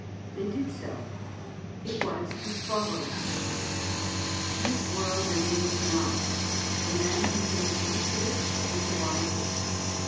They did so: it was as follows: "This world remains not; the man who thinks least of it is the wisest.